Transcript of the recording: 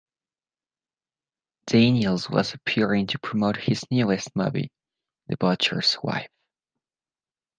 Daniels was appearing to promote his newest movie, "The Butcher's Wife".